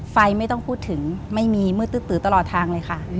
ไฟก็ไม่ต้องคู่ถึงไม่มีมืดตื้อกติ่นตลอดทางเลยค่ะ